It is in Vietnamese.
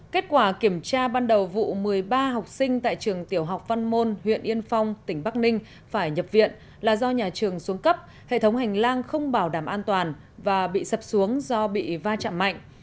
kết quả kiểm tra ban đầu vụ một mươi ba học sinh tại trường tiểu học văn môn huyện yên phong tỉnh bắc ninh phải nhập viện là do nhà trường xuống cấp hệ thống hành lang không bảo đảm an toàn và bị sập xuống do bị va chạm mạnh